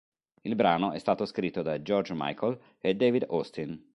Il brano è stato scritto da George Michael e David Austin.